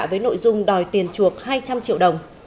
với nội dung đòi tiền chuộc hai trăm linh triệu đồng